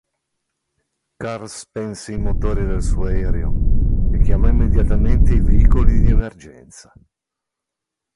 Carr spense i motori del suo aereo e chiamò immediatamente i veicoli di emergenza.